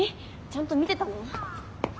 ちゃんと見てたの？